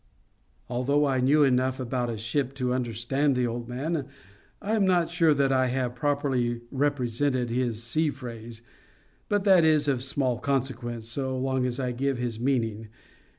Although I knew enough about a ship to understand the old man, I am not sure that I have properly represented his sea phrase. But that is of small consequence, so long as I give his meaning.